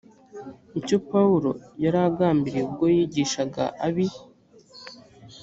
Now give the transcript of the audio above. icyo pawulo yari agambiriye ubwo yigishaga ab i